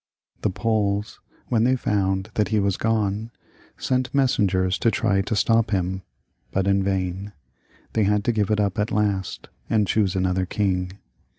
The Poles, when they found that he was gone, sent messengers to try and stop him, but in vain ; they had to give it up at last, and choose another king.